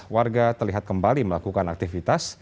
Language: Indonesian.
warga terlihat kembali melakukan aktivitas